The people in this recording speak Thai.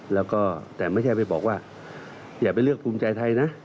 แล้วก็แต่ไม่ใช่ไปบอกว่าอย่าไปเลือกภูมิใจไทยนะ